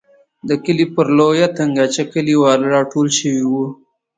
د کلي پر لویه تنګاچه کلیوال را ټول شوي وو.